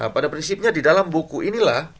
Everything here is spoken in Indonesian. pada prinsipnya di dalam buku inilah